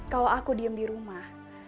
kalau aku diem di rumah